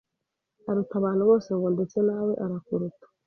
aruta abantu bose ngo ndetse na we arakuruta